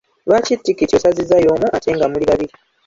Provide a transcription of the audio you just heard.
Lwaki tikiti osazizza y'omu ate nga muli babiri?